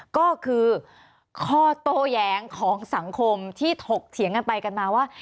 ก็คือข้อโต้แย้งของสังคมที่ถกเถียงกันไปกันมาว่า